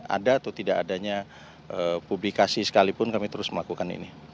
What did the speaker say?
ada atau tidak adanya publikasi sekalipun kami terus melakukan ini